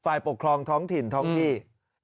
ฝ่ายปกครองท้องถิ่นท้องที่